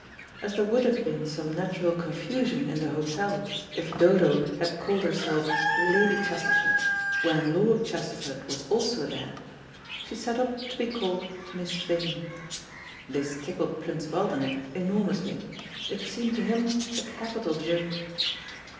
As there would have been some natural confusion in the hotel if Dodo had called herself Lady Chesterford, when Lord Chesterford was also there, she settled to be called Miss Vane. This tickled Prince Waldenech enormously; it seemed to him a capital joke.